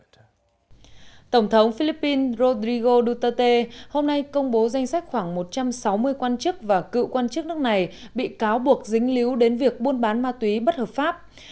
tổng thống philippines rodrigo duterte hôm nay công bố danh sách khoảng một trăm sáu mươi quan chức và cựu quan chức nước này bị cáo buộc dính líu đến việc buôn bán ma túy bất hợp pháp